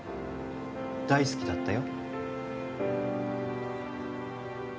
大好きだったよ。